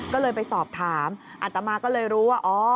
ก็เลยไปสอบถามอัตมาก็เลยรู้ว่าอ๋อ